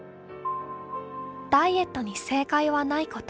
ダイエットに正解はないこと。